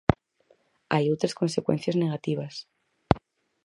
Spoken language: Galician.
Hai outras consecuencias negativas.